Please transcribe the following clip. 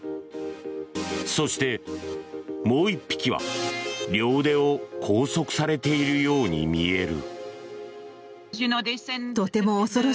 そしてもう１匹は、両腕を拘束されているように見える。